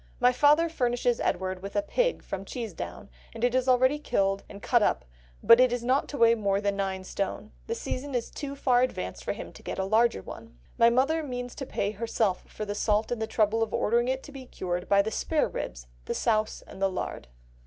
"My father furnishes him [Edward] with a pig from Cheesedown; it is already killed and cut up, but it is not to weigh more than nine stone; the season is too far advanced to get him a larger one. My mother means to pay herself for the salt and the trouble of ordering it to be cured, by the spareribs, the souse, and the lard."